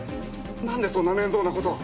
なんでそんな面倒な事を。